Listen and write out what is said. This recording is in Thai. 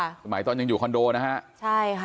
หมายสิ่งตอนยังอยู่คอนโดนะคะใช่ค่ะ